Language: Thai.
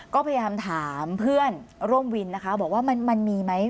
ก็พยายามถามเพื่อนร่วมวินนะคะบอกว่ามันมีไหม